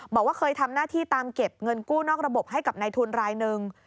บอกว่าเคยทำหน้าที่ตามเก็บเงินกู้นอกระบบให้กับในทุนรายหนึ่ง